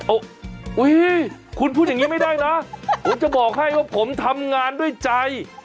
โอ้โหคุณพูดอย่างนี้ไม่ได้นะผมจะบอกให้ว่าผมทำงานด้วยใจ